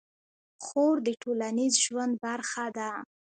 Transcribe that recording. خور د ټولنیز ژوند برخه ده.